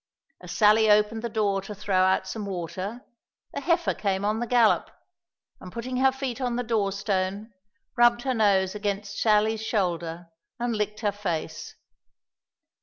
As Sally opened the door to throw out some water, the heifer came on the gallop, and, putting her feet on the door stone, rubbed her nose against Sally's shoulder, and licked her face.